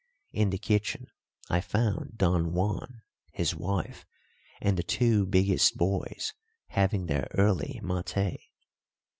In the kitchen I found Don Juan, his wife, and the two biggest boys having their early maté.